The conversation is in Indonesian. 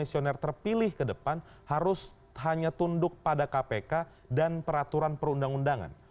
komisioner terpilih ke depan harus hanya tunduk pada kpk dan peraturan perundang undangan